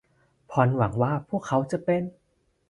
พอลหวังว่าพวกเขาจะเป็น